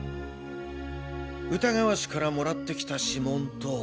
歌川氏から貰ってきた指紋と。